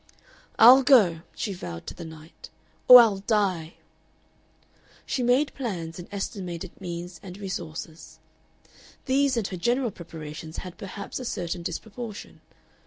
"I'll go," she vowed to the night, "or I'll die!" She made plans and estimated means and resources. These and her general preparations had perhaps a certain disproportion.